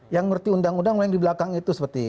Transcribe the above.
yang ngerti undang undang di belakang itu seperti